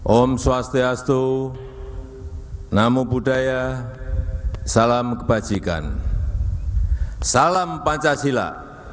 om swastiastu namo buddhaya salam kebajikan salam pancasila